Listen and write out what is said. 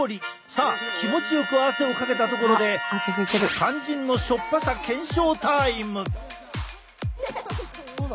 さあ気持ちよく汗をかけたところで肝心の塩っぱさ検証タイム！